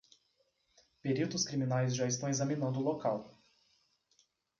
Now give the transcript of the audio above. Peritos criminais já estão examinando o local